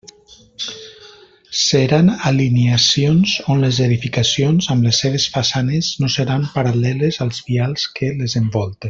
Seran alineacions on les edificacions, amb les seves façanes no seran paral·leles als vials que les envolten.